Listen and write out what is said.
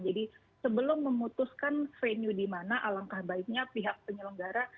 jadi sebelum memutuskan venue di mana alangkah baiknya pihak penyelenggara